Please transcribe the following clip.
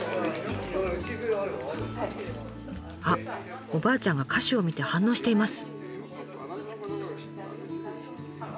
あっおばあちゃんが歌詞を見て反応しています。